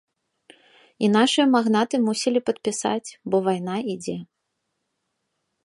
І нашыя магнаты мусілі падпісаць, бо вайна ідзе.